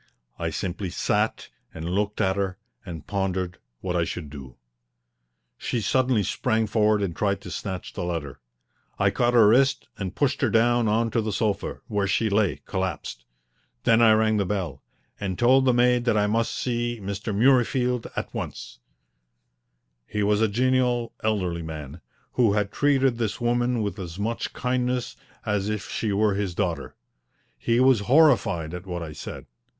I simply sat and looked at her and pondered what I should do. She suddenly sprang forward and tried to snatch the letter. I caught her wrist and pushed her down on to the sofa, where she lay, collapsed. Then I rang the bell, and told the maid that I must see Mr. Murreyfield at once. He was a genial, elderly man, who had treated this woman with as much kindness as if she were his daughter. He was horrified at what I said.